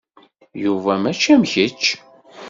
Yuba mačči am kečč.